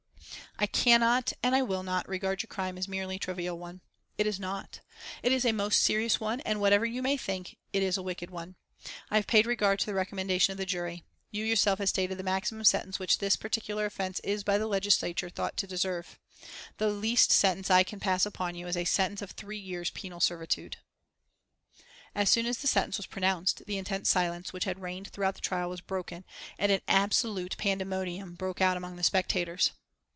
"I cannot, and I will not, regard your crime as a merely trivial one. It is not. It is a most serious one, and, whatever you may think, it is a wicked one. I have paid regard to the recommendation of the jury. You yourself have stated the maximum sentence which this particular offence is by the legislature thought to deserve. The least sentence I can pass upon you is a sentence of three years' penal servitude." As soon as the sentence was pronounced the intense silence which had reigned throughout the trial was broken, and an absolute pandemonium broke out among the spectators.